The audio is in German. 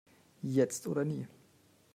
Jetzt oder nie!